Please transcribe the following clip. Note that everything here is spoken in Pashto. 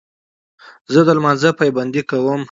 زه د لمانځه پابندي کوم.